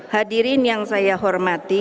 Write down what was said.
hadirin yang saya hormati